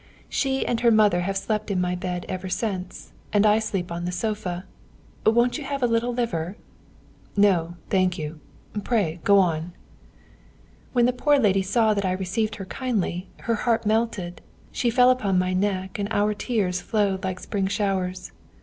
She and her mother have slept in my bed ever since, and I sleep on the sofa. Won't you have a little liver?" "No, thank you. Pray, go on!" "When the poor lady saw that I received her kindly, her heart melted; she fell upon my neck, and our tears flowed like spring showers.